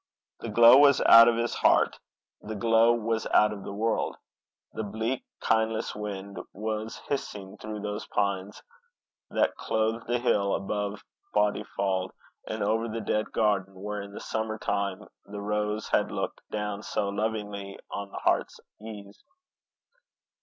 The glow was out of his heart; the glow was out of the world. The bleak, kindless wind was hissing through those pines that clothed the hill above Bodyfauld, and over the dead garden, where in the summer time the rose had looked down so lovingly on the heartsease.